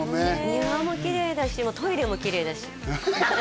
庭もきれいだしトイレもきれいだしハハハ